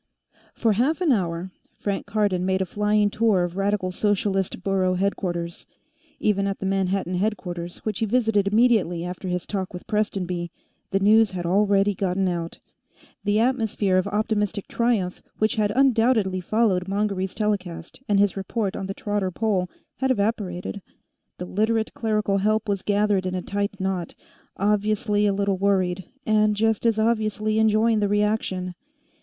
For half an hour, Frank Cardon made a flying tour of Radical Socialist borough headquarters. Even at the Manhattan headquarters, which he visited immediately after his talk with Prestonby, the news had already gotten out. The atmosphere of optimistic triumph which had undoubtedly followed Mongery's telecast and his report on the Trotter Poll, had evaporated. The Literate clerical help was gathered in a tight knot, obviously a little worried, and just as obviously enjoying the reaction.